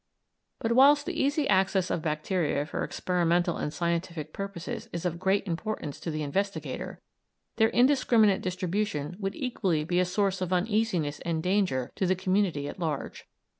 But whilst the easy access of bacteria for experimental and scientific purposes is of great importance to the investigator, their indiscriminate distribution would equally be a source of uneasiness and danger to the community at large.